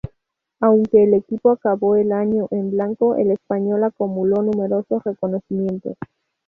Aunque el equipo acabó el año en blanco, el español acumuló numerosos reconocimientos.